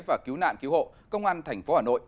và cứu nạn cứu hộ công an thành phố hà nội